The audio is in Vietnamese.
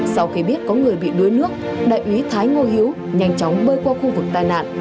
sau khi biết có người bị đuối nước đại úy thái ngô hiếu nhanh chóng bơi qua khu vực tai nạn